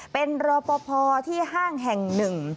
เป็นรอปภที่ห้างแห่งหนึ่ง